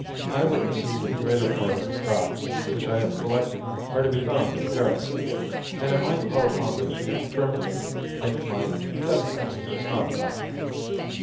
Eye witnesses of the greater part of the facts which I have collected are to be found in Paris, and I might call upon them to confirm me if my testimony is not enough.